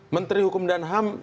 menteri hukum dan ham